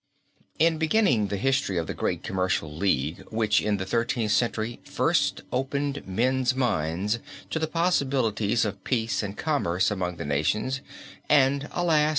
In beginning the history of the great commercial league which in the Thirteenth Century first opened men's minds to the possibilities of peace and commerce among the nations and alas!